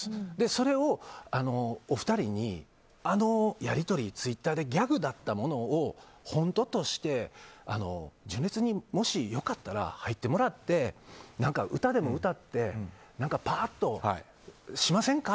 それをお二人に、あのやり取りツイッターでギャグだったものを本当として純烈にもしよかったら入ってもらって歌でも歌ってパーッとしませんか？